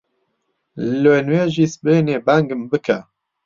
لۆ نوێژی سبەینێ بانگم بکە.